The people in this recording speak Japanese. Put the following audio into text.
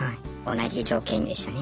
同じ条件でしたね。